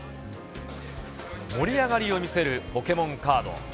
盛り上がりを見せるポケモンカード。